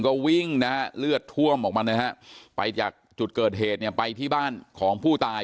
ก็วิ่งนะฮะเลือดท่วมออกมานะฮะไปจากจุดเกิดเหตุเนี่ยไปที่บ้านของผู้ตาย